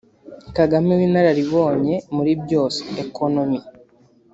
Kagame w’inararibonye muri byose (Economie